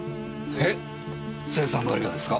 えっ青酸カリがですか？